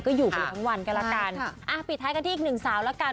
ก็อยู่ไปทั้งวันก็ละกันปิดท้ายกันที่อีกหนึ่งสาวแล้วกัน